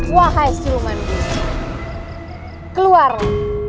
wahai siluman itu keluarlah